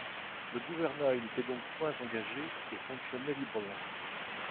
Le gouvernail n’était donc point engagé et fonctionnait librement.